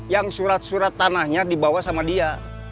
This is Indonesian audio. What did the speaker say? yang surat surat tanahnya dibawa sama dia